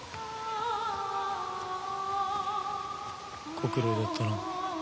ご苦労だったな。